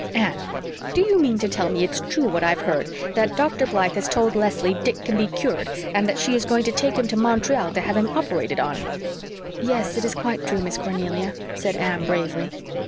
"Anne, do you mean to tell me it's true what I've heard that Dr. Blythe has told Leslie Dick can be cured, and that she is going to take him to Montreal to have him operated on?" "Yes, it is quite true, Miss Cornelia," said Anne bravely.